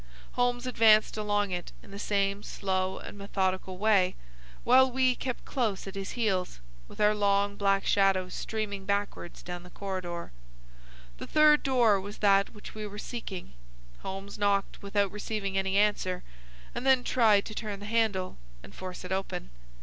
Holmes advanced along it in the same slow and methodical way, while we kept close at his heels, with our long black shadows streaming backwards down the corridor. The third door was that which we were seeking. Holmes knocked without receiving any answer, and then tried to turn the handle and force it open.